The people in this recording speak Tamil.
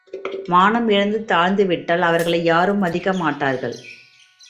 மானம் இழந்து தாழ்ந்துவிட்டால் அவர்களை யாரும் மதிக்கமாட்டார்கள்.